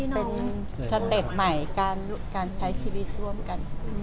เป็นสเต็ปใหม่การใช้ชีวิตร่วมกัน